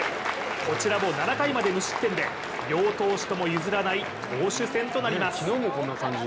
こちらも７回まで無失点で両投手とも譲らない投手戦となります。